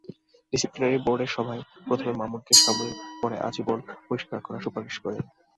Disciplinary বোর্ডের সভায় প্রথমে মামুনকে সাময়িক পরে আজীবন বহিষ্কার করার সুপারিশ করে।